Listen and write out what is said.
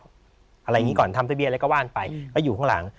อะไรอย่างนี้ก่อนทำทะเบียนอะไรก็ว่านไปก็อยู่ข้างหลัง